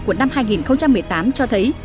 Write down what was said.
của năm hai nghìn một mươi tám cho thấy